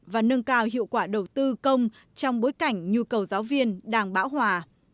và nâng cao hiệu quả đầu tư công trong bối cảnh nhu cầu giáo viên đang bão hòa